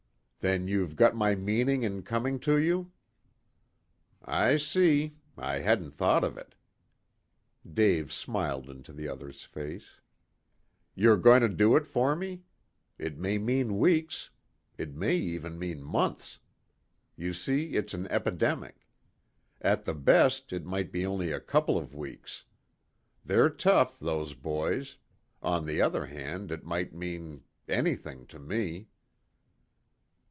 "Then you've got my meaning in coming to you?" "I see. I hadn't thought of it." Dave smiled into the other's face. "You're going to do it for me? It may mean weeks. It may even mean months. You see, it's an epidemic. At the best it might be only a couple of weeks. They're tough, those boys. On the other hand it might mean anything to me."